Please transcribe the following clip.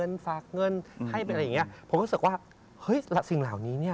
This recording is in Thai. คุณรู้มั้ยเขาหายไปยังไงเพราะว่าคุณปล่อยเขายาวเกินไป